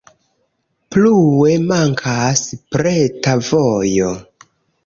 Plue mankas preta vojo.